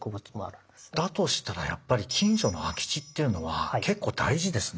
だとしたらやっぱり近所の空き地っていうのは結構大事ですね。